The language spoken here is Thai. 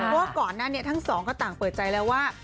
เพราะว่าก่อนหน้านี้ทั้งสองก็ต่างเปิดใจแล้วว่า